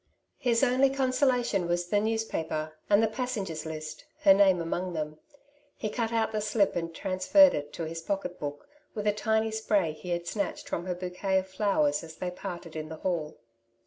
His only consolation was the newspaper and the passen gers' list, her name among them. He cut out the slip and transferred it to his pocket book, with a tiny spray he had snatched from her bouquet of flowers as they parted in the hall.